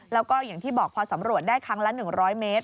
แล้วก็อย่างที่บอกพอสำรวจได้ครั้งละ๑๐๐เมตร